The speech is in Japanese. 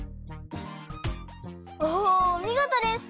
おみごとです！